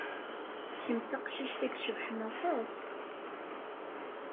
Kem d taqcict i yecebḥen aṭas.